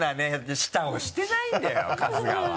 舌をしてないんだよ春日は。